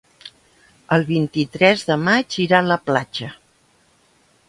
El vint-i-tres de maig irà a la platja.